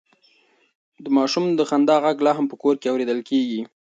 د ماشوم د خندا غږ لا هم په کور کې اورېدل کېږي.